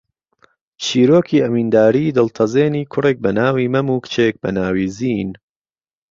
چیرۆکی ئەوینداریی دڵتەزێنی کوڕێک بە ناوی مەم و کچێک بە ناوی زین